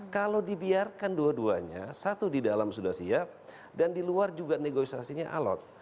kalau dibiarkan dua duanya satu di dalam sudah siap dan di luar juga negosiasinya alot